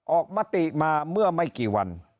มติมาเมื่อไม่กี่วัน